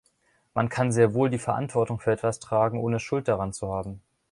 Man kann sehr wohl die Verantwortung für etwas tragen, ohne schuld daran zu haben.